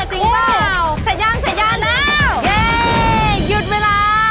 เย่จริงเปล่าสัญญาณแล้วเย่หยุดเวลา